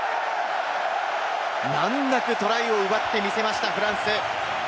難なくトライを見せましたフランス。